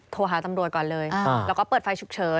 โทรหาตำรวจก่อนเลยแล้วก็เปิดไฟฉุกเฉิน